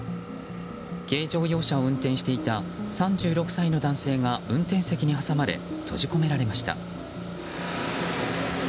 軽乗用車を運転していた３６歳の男性が運転席に挟まれ閉じ込められました。